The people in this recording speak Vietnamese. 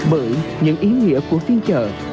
bởi những ý nghĩa của phiên chợ